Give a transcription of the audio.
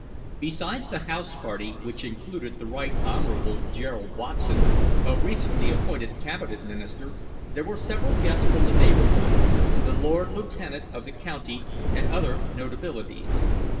Besides the house party, which included the Right Honourable Gerald Watson, a recently appointed Cabinet Minister, there were several guests from the neighbourhood the Lord Lieutenant of the County and other notabilities.